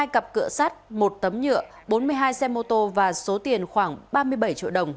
một mươi hai cặp cửa sắt một tấm nhựa bốn mươi hai xe mô tô và số tiền khoảng ba mươi đồng